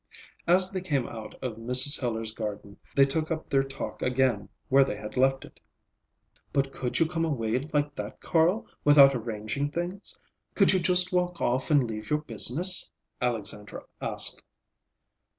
As they came out of Mrs. Hiller's garden they took up their talk again where they had left it. "But could you come away like that, Carl, without arranging things? Could you just walk off and leave your business?" Alexandra asked.